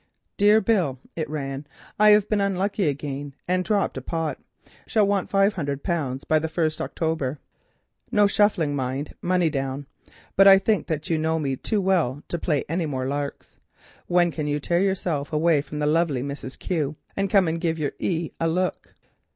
"Dear Bill," it ran, "I've been unlucky again and dropped a pot. Shall want 500 pounds by the 1st October. No shuffling, mind; money down; but I think that you know me too well to play any more larx. When can you tear yourself away, and come and give your E—— a look?